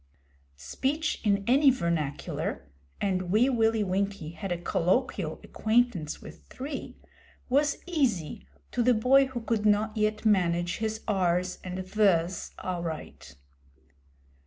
Speech in any vernacular and Wee Willie Winkie had a colloquial acquaintance with three was easy to the boy who could not yet manage his 'r's' and 'th's' aright.